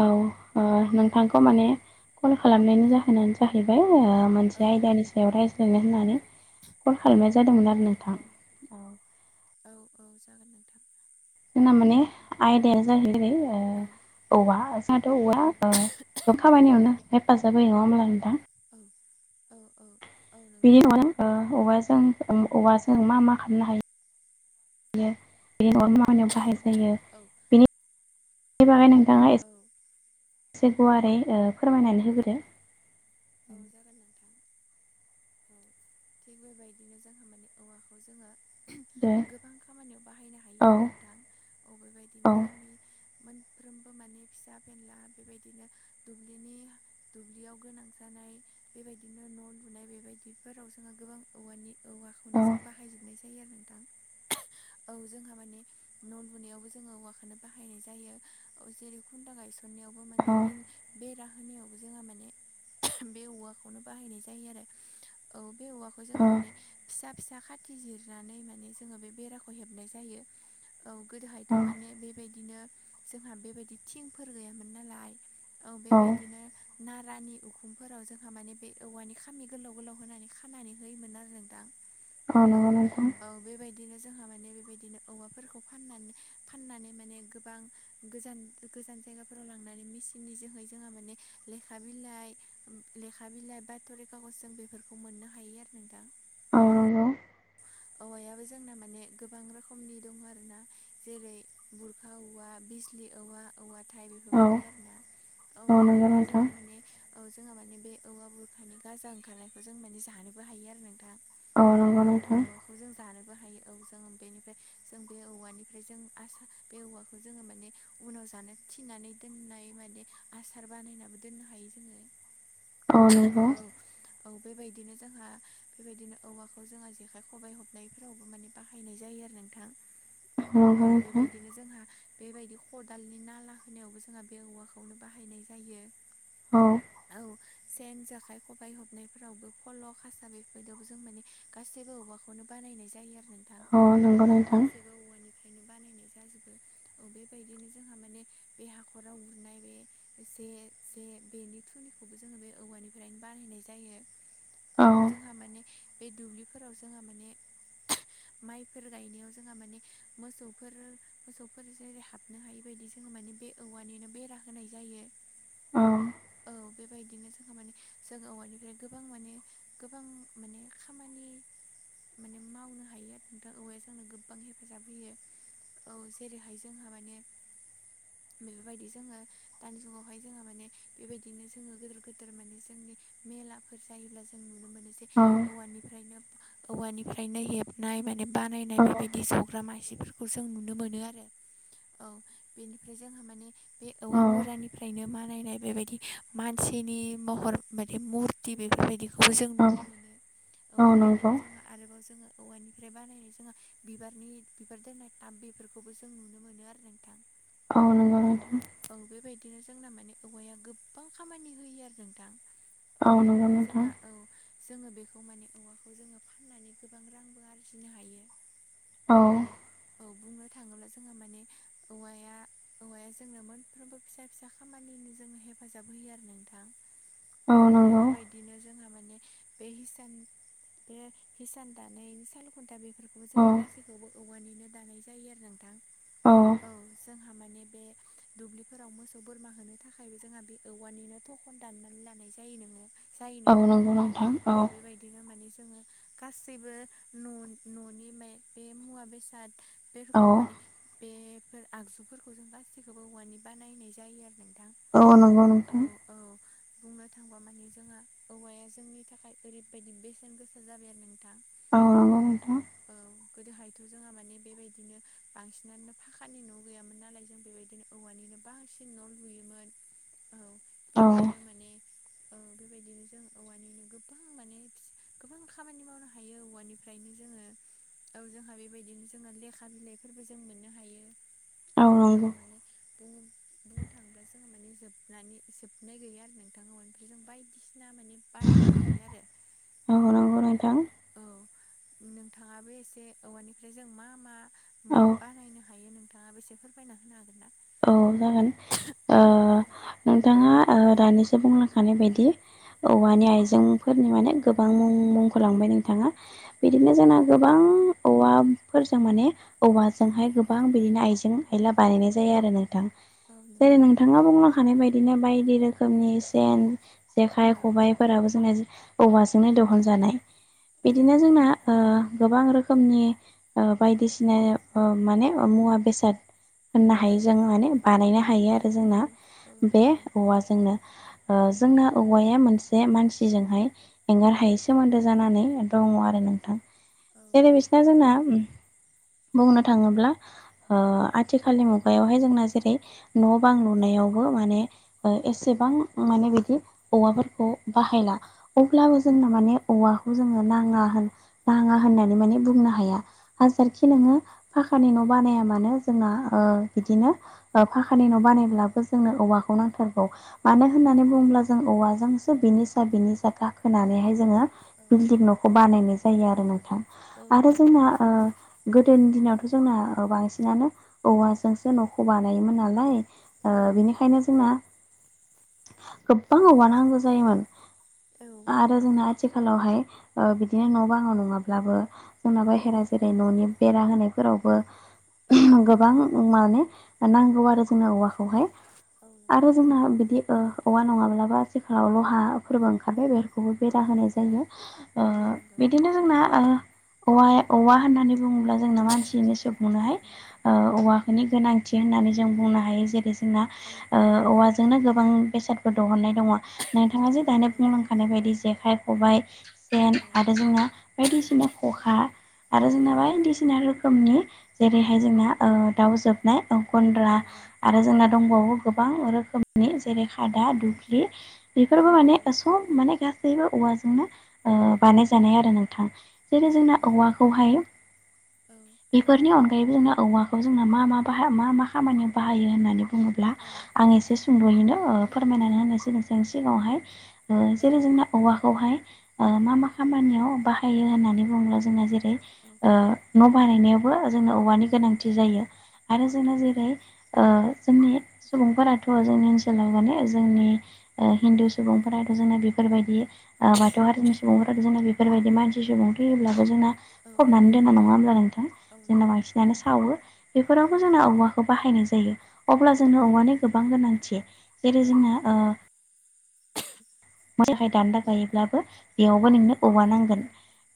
औ नोंथांखौ माने कल खालामनायनि जाहोनानो जाहैबाय मोनसे आयदानि सायाव रायज्लायनो होननानै कन खालामनाय जादोंमोन औ आरो नोंथां औ औ औ जागोन नोंथां जोंना माने आयदायाया औ जाहैबाय औवा [inaudible] औवा गोम औ खाबायानियावनो हेफाजाब होयो नङा होमब्ला आों दा औ औ औ नंगौ बियो नंगौ माना ओ औवाजों मा मा खालामनो हायो बिदिनो म खामानियाव बाहाय जायो औ औ बेनिनि बागै नोंथाङा औ एसे एसे गुवारै फोरमायनानै होगदो। जागोन नोंथां थिग बेबायदिनो जोंहा माने औवाखौ जोङो दे गोबां खामानियाव बाहायनो औ हायो आरो नोंथां औ अबेबायदिनो जोंनि मोनफ्रोमबो माने फिसा बेेनला बेबायदिनो दुब्नि दुब्लियाव गोनां जायो जानाय बेबायदिनो न' लुनाय बेबायदिफोराव जोंहा गोबां औवानि औ औवाखौनो जों बाहायजोबनाय जायो आरो नोंथां [unintelligible] औ जोंहा माने न' लुनायावबो जोङो औवाखौनो बाहायनाय जायो जेरै खुन्दा ग फोरनायावबो औ मानेन बेर होनायावबो जोंहा माने बे औवाखौनो बाहायनाय जायो आरो औ बे औवाखौ जोङो माने फिसा फिसा खाथि जिरनानै माने जोङो बे बेराखौ हेबनाय जायो औ गोदोहायथ' औ माने बेबायदिनो जोंहा बेबायदि थिंफोर गैयामोन नालाय औ बेबायदिनो नारानि उख फुंफोराव जोंहा माने बे औवानि खामानि गोलाव गोलाव होनानै खानानै होयोमोन आरो जों दा औ नंगौ नोंथां औ बेबायदि बिदिनो जोंहा माने बेबायदिनो औवाफोरखौ फाननानै फाननानै माने गोबां गोजान गोजान जायगाफोराव लांनानै मेसििननि जोहै जोंहा माने लेखा बिलाइ लेखा बिलाइ बााथ'रिखाख' जों बेफोरखौ मोननो हायो आरो नोंथां। औ औवायाबो जोंना माने गोबां रोखोमनि दङ आरोना जेरै बुरखा औवा, बिजलि औवा, औवा थाइ। औ बेफोरबायदि आरोना औ नंगौ बेनिफ्राय नोंथां जोंहा माने औ जोंहा‌ माने बे औवा बुरखानि गाजा ओंखारनायखौ जों माने जानोबो हायो आरो नोंथां। औ। नंगौ नोंथां औवाखौ जों जानोबो हायो औ जों बेनिफ्राय जों बे औवानिफ्राय जों आसा बे औवाखौ जोंङो माने उनाव जानो थिनानै दोननाय माने आसार बानायनाबो दोननो हायो जोंङो। [inaudible] औ औ बेबायदिनो जोंहा बेबायदिनो औवाखौ जोंहा जेखाय- ख' खबाय हबनायफोरावबो माने बाहायनाय जायो आरो नोंथां औ नंगौ नोंथां बेबायदिनो जोंहा बेबायदि खदालनि नाला होनायावबो जोंहा बे औवाखौनो बाहायनाय जायो। औ। औ सेन, जेखाइ, खबाइ हेबनायफोरावबो फल, खासा बेफोरबायदियावबो जों माने गासैबो औवाखो बेखौनो बानायनाय जायो आरो नोंथां औ नंगौ औ नोंथां गासैबो औवानिफ्रायनो बानायनाय जाजोबो। औ बेबायदिनो जोंहा माने बे हाखराव उरनाय बे जे जे बेनि थुनिखौबो जोंङो बे औवानिफ्रायनो बानायनाय जायो। औ जोंहा माने बे दुब्लिफोराव जोंहा माने [inaudible] माइफोर गायनायाव जोंहा माने मोसौफोर मोसौफोर जेरै हाबनो हायि बायदि जोंङो माने बे औवानिनो बेरा होनाय जायो। औ। औ बेबायदिनो जोंहा माने जोंङो औवानिफ्राय गोबां माने गोबां माने खामानि माने मावनो हायो आरो नोंथाङा औवाया जोंनो गोबां हेफाजाब होयो। औ जेरैहाय जोंहा माने बेफोरबायदि जोंङो दानि जुगावहाय जोंङो माने बेबायदिनो जोंङो गोदोर गोदोर माने जोंनि मेलाफोर जायोब्ला जों नुनो मोनो जे औ। औवानिफ्रायनो औवानिफ्रायनो हेबनाय माने बानायनाय औ बेबायदि ज' मासेफोरखौ जों नुनो मोनो आरो औ बेनिफ्राय जोंहा माने बे औवा औ मुरानिफ्रायनो मानायनाय बेबायदि मानसिनि महर माथे मुरथि बेफोरबायदि बे खौबो जों औ नुनो मोनो औ बेबायदिनो जोंहा आरोबाव जोंङो औवानिफ्राय बानायनाय जोंङो बिबारनि बिबार दोननाय टाब बेफोरखौबो जों नुनो मोनो आरो नो नंगौ औ। नोंथां औ बेबायदिनो जोंना माने औवाया गोबां खामानि होयो आरो नोंथां। औ नंगौ बेनिफ्राय नोंथां जोंहा औ जोंङो बेखौ माने औवाखौ जोंङो होननानै गोबां रांबो आरजिनो हायो औ औ बुंनो थांङोब्ला जोंहा माने औवाया औवाया जोंनो मोनफ्रोमबो फिसा फिसा खामानिनि जों हेफाजाब होयो आरो नोंथां। औ बेफोरबायदिनो जोंहा माने बे हिसान बे हिसान दानायनि सालखुन्था बेफोरखौबो औ जोंङो गासैखौबो औवानिनो दानाय जायो आरो नोंथां औ जोंहा माने बे दुब्लिफोराव मोसौ, बोरमा होनो थाखायबो जोंहा बे औवानिनो थखन दाननानै लानाय जायो नोंङो। जायो औ नोंथां नंगौ नोंथां औ बेबाय बेदि माने जोंङो गासैबो न' न'नि मे बे मुवा-बेसाद औ बेफोरखौ माने बेफोर आगजुफोरखौ जों गासैखौबो औवानि बानायनाय जायो आरो नोंथां। औ नंगौ औ नोंथां। औ बुंनो थांबा माने जोंहा औवाया जोंनि थाखाय ओरैबायदि बेसेन गोसा जाबाय आरो न थां औ नंगौ नोंथां औ गोदोहायथ' जोंहा माने बेबायदिनो बांसिनानोनो फाखानि न' गैयामोन नालाय जों बेबायदिनो औवानिनो बांसिन न' लुयोमोन औ औ बेनिनो माने औ बेबायदिनो जों औवानिनो गोबां माने गोबां खामानि माव नो हायो औवानिफ्रायनो जोङो औ जोंहा बेबायदिनो जोंहा लेखा बिलाइफोरबो जों मोननो हायो। औ माने बुंनो थाङोब्ला जोंङो माने जोबनानै जोबनाय गैया आरो नोंथां ओमफ्राय जों बायदि ना माने बानायनो हायो आरो। औ नंगौ नोंथां औ नोंथाङाबो एसे औवानिफ्राय जों मा मा औ बानायनो हायो नोंथाङा बेसे फोरमायना होनो हागोन ना औ जागोन। ओ औ नोंथाङा दानिसो बुंलांखानाय बायदि औ औवानि आइजेंफोरनि माने गोबां मुं मुंखौ लांबाय नोंथाङा। बिदिनो औ जोंना नंगौ गोबां औवा फोरजों माने औवाजोंहाय गोबां बिदिनो आइजें आयला बानायनाय औ जायो आरो नोंथां औ जेरै नंगौ नोंथाङा बुंलांखानाय बायदिनो बायदि रोखोमनि सेन जेखाइ औ खबाइफोराबो जोंना औवाजोंनो दहन जानाय। औ बिदिनो नंगौ जोंना ओ गोबां रोखोमनि औ बायदिसिना माने मुवा बेसाद होननो औ हायो जों माने बानायनो हायो आरो औ नंगौ औ जोंना औ औ बे नंगौ औवाजोंनो। ओ जोंना औवाया मोनसे मानसिजोंहाय एंगार हायै औ नंगौ औ सोमोन्दो जानानै दङ आरो नोंथां। जेरै बिसना जोंना बुंनो थाङोब्ला औ ओ औ नि मुायावहाय जोंना जेरै न' बां औ नंगौ औ नंगौ लुनायावबो माने ओ एसेबां माने बिदि औवाफोरखौ औ औ बाहायला। अब्लाबो जोंनो माने औवाखौ जोंङो नाङा होन नाङा होननानै माने बुंनो हाया हाजारखि नोङो फाखानि न' बानाया मानो जोंना ओ बिदिनो फाखानि न' बानायब्लाबो जोंनो औवाखौ नांथारगौ मानो होननानै बुङोब्ला जों औवाजोंसो बिनिसा बिनिसा गाखोनानैहाय जोंङो बिल्डिं न' खौ बानायनाय जायो आरो नोंथां आरो जोंना ओ गोदोनि दिनावथ' जोंना बांसिनानो औवाजोंसो न'खौ बानायोमोन नालाय ओ बेनिखायनो जोंना गोबां औगान हांगौ जायोमोन। आरो जोंना आथिखालावहाय ओ बिदिनो न' बाङाव नङाब्लाबो उना बाहेरा जेरै न'नि बेरा होनायफोरावबो गोबां माने नांगौ आरो जोंनो औवाखौहाय। औ आरो जोंना बिदि ओ औवा नङाब्लाबो आथिखालाव लहाफोरबो ओंखारबाय बे खौबो बेरा होनाय जायो ओ बिदिनो जोंना औवाया औवा होननानै बुङोब्ला जोंना मानसियैनोसनोहाय ओ औवाफोरनि गोनांथि होननानै जों बुंनो हायो। जेरै जोंना औवा जोंनो गोबां बेसादफोर दिहुननाय दङ नोंथाङा जे दानि बुंलांखानाय बायदि जेखाइ खबाइ सेन आरो जोंना बायदिसिना खखा आरो जोंना बायदिसिना रोखोमनि जेरैहाय ओ जोंना दाउ जोबनाय गन्द्रा आरो औ जोंना दंबावो गोबां रोखोमनि जेरै खादा औ दुब्लि औ बेफोरबो औ मानेस माने गा गासैबो औवाजोंनो ओ नंगौ बानायजानाय आरो नोंथां। औ जेरै जोंना औवाखौहाय बेफोरनि अनग बे जोंना औवाखौ जोंना मा मा बा मा मा खामानियाव बाहायो होननानै बुङोब्ला नंगौ आं एसे एसे सुंद'यैनो ओ फोरमायनानै होनाय सिगां सि सिगाङावहाय औ जेरै जोंना औवाखौहाय मा मा खामानियाव बाहायो होननानै बुङोबा जोंना जे ओ न' बानायनायावबो जोंनो औवानि औ गोनांथि जायो। औ आरो जोंनो नंगौ जेरै ओ जोंनि सुबुंफोराथ' जोंनि ओनसोलाव माने जोंनि औ नंगौ औ हिन्दु सुबुंफोराथ' जोंना बेफोरबायदि ओ बाथौ हारिनि सुबुंफोराथ' जोंना औ बेफोरबायदि मानसि सुबुं फैयोब्लाबो जोंना औ फबनानै दोनना नङा होमब्ला नोंथां। जोंना नंगौ बांसिनानो सावो औ नंगौ औ बेफोरावबो जोंना औवाखौ बाहायनाय जायो अब्ला जोंङो नंगौ औवानि गोबां गोनांथि जेरै औ औ जोंना मोजाय दान्दा गायोब्लाबो बेयावबो औ नंगौ औ नोंनो औवा नांगोन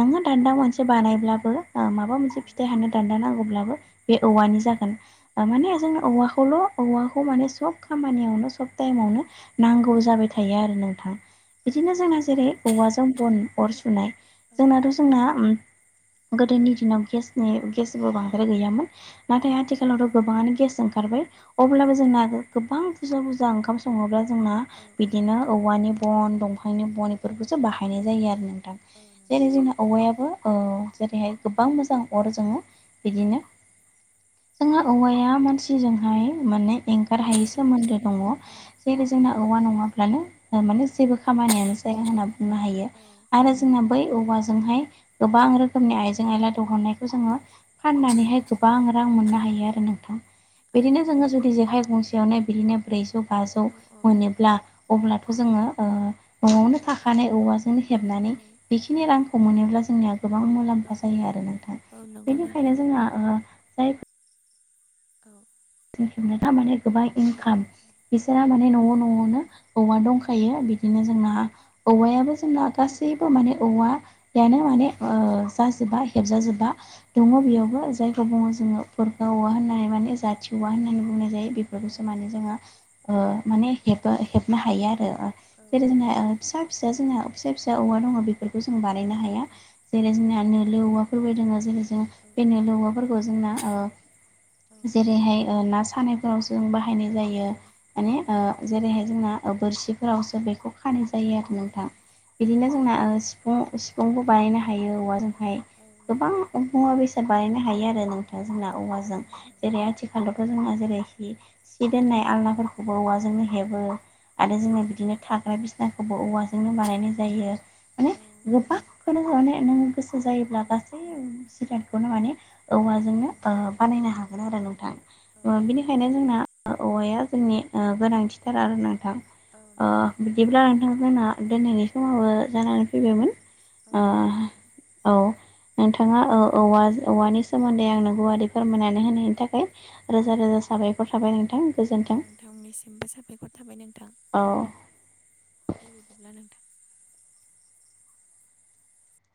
नोङो दान्दा मोनसे नंगौ बानायब्लाबो माबा मोनसे फि दान्दानांगौब्लाबो बे औवानि जागोन औ माने जों औवाखौल' औवाखौ माने सब खामानियावनो सब टाइमावनो नांगौ जाबाय थायो आरो नोंथाङा। बिदिनो नंगौ जोंना जेरै औवाजों बन अर सुनाय जोंनाथ' जोंना ओम गोदोनि दिनावनि गेसबो बांद्राय गैयामोन नोंथां नाथाय आथिखाल आरो गोबाङानो गेस ओंखारबाय अब्लाबो औ जोंना गोबां बुरजा बुरजा ओंखाम सङोब्ला जोंना बिदिनो औवानि बन दंफांनि बन बेफोरखौसो बाहायनाय जायो आरो नोंथां जेरै जोंना औवायाबो जेरैहाय गोबां मोजां अर जोङो बिदिनो जोंहा औवाया मानसिजोंहाय माने एंगारहायै सोमोन्दो दङ जेरै जोंना औवा औ नङाब्लानो माने जेबो खामानियानो जाया होनना बुंनो हायो आरो जोंना बै औवाजोंहाय गोबां रोखोमनि आइजें आयला दिहुननायखौ जोङो फाननानैहाय गोबां रां मोननो हायो आरो नोंथां बिदिनो जोङो जुदि जेखाइ गंसे यावनो बिदिनो ब्रैजौ औ बाजौ मोनोब्ला अब्लाथ' जोङो न'आवनो थाखानाय औवाजोंनो हेबनानै बेखिनि रांखौ मोनोब्ला जोंनिया गोबां औ मुलाम्फा जायो आरो नोंथाङा औ नंगौ नोंथां बेनिखायनो जोंहा जाय औ थारमाने गोबां औ इनकाम बिसोरहा माने औ न'आव न'आवनो औवा दंखायो बिदिनो जोंना औवायाबो जोंना गासैबो माने औवा बेनो माने जाजोबा हेबजाजोबा औ दङ बेयावबो जाय बुङो जोङो बुरगा औवा होननानै माने औ थवा होननानै बुंनाय औ जायो नंगौ बेफोरखौसो माने जोङो औ माने ह हेबनो हायो आरो औ जेरै जोंना फिसा फिसा जोंना फिसा फिसा औवा दङ बे बेखौ जों औ नंगौ औ बानायनो हाया जेरै औ जोंना नंगौ नो लो औवाफोरबो दङो जेरै जों औ बेनो नंगौ औवाफोरखौ जोंना अ जेरैहाय ना सानायफोरावसो बाहायनाय औ जायो नंगौ माने जेरैहाय जोंना बोरसिफोरावसो बेखौ खानाय जायो औ आरो नोंथां औ नंगौ औ बिदिनो जोंना नंगौ सिफुं सिफुंबो बानायनो हायो औवाजोंहाय औ गोबां नंगौ मुवा बेसाद बानायनो हायो आरो नों जोंना औवाजों औ जेरै आथिखालावथ' जोंना जेरै सि औ दोननाय आलनाफोरखौ बबाव औवाजोंनो हेबो आरो औ जोङो बिदिनो नंगौ थाग्रा बिसनाखौबो औवाजोंनो बानायनाय जायो माने गोबां खनो जाने नो गोसो जायोब्ला गासै जिरादखौनो माने औवाजोंनो बानायनो हागोन आरो नोंथां बिनिखायनो जोंना औवाया जोंनि गोनांथिथार आरो नोंथां अ नोंथां बिदिब्ला नोंथांमोनहा दोनैनि समावबो जानानै फैबायमोन औ नोंथाङा औ औ औवानि सोमोन्दै आंनो गुवारै फोरमायनानै होनायनि थाखाय औ रोजा रोजा साबायखर थाबाय नोंथां गोजोन्थों नोंथांनिसिमबो साबायखर थाबाय औ बेबायदिब्ला नोंथां